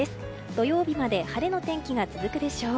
土曜日まで晴れの天気が続くでしょう。